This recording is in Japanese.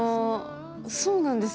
そうなんですよね。